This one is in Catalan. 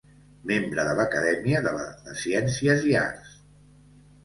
Membre de l'Acadèmia de la de Ciències i Arts.